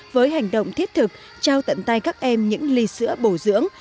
với hành động thiết thực trao tận tay các em những ly sữa bổ dưỡng